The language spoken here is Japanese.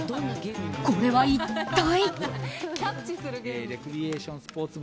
これは一体？